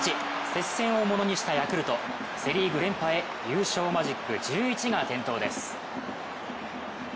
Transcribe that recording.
接戦をものにしたヤクルト、セ・リーグ連覇へ、優勝マジック１１が点灯です。